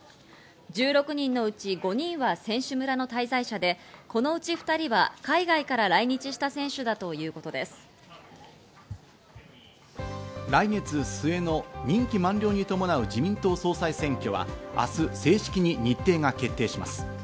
１６位のうち５人は選手村の滞在者でこのうち２人は海外から来日来月末の任期満了に伴う自民党総裁選挙は明日、正式に日程が決定します。